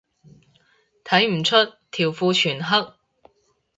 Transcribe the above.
睇唔出，條褲全黑